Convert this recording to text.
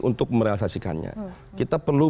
untuk merealisasikannya kita perlu